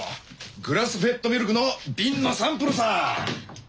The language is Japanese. グラスフェッドミルクの瓶のサンプルさ。